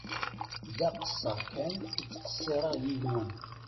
D aqesser kan i ttqessireɣ yid-wen.